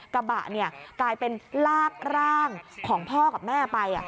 กระบะกลายเป็นลากร่างของพ่อกับแม่ไป